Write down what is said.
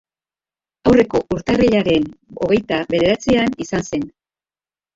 Aurreko urtarrilaren hogeita bederatzian izan zen.